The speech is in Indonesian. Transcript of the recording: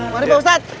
mari pak ustadz